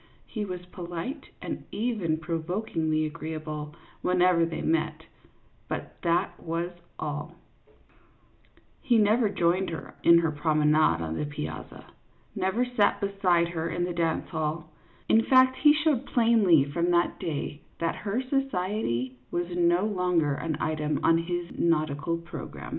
He was polite and even provokingly agreeable whenever they met, but that was all ; he never joined her in her promenade on the piazza, never sat beside her in the dance hall ; in fact, he showed plainly from that day that her society was no longer an item on his nautical program.